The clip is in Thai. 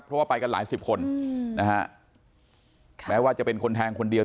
เพราะว่าไปกันหลายสิบคนนะฮะแม้ว่าจะเป็นคนแทงคนเดียว